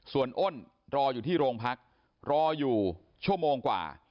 ส่วนอ้นรออยู่ที่โรงพักรออยู่ชั่วโมงกว่า